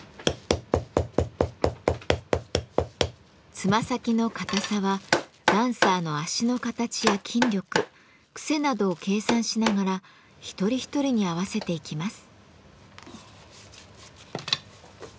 つま先の硬さはダンサーの足の形や筋力癖などを計算しながら一人一人に合わせていきます。